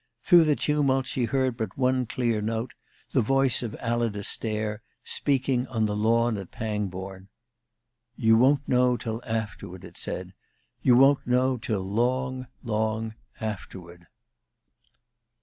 Through the tumult she heard but one clear note, the voice of Alida Stair, speaking on the lawn at Pangbourne. "You won't know till afterward," it said. "You won't know till long, long afterward."